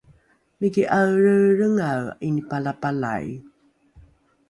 miki ’aelreelrengae ’inipalapalai